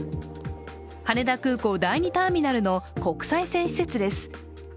羽田空港の第２ターミナルの国際線施設です。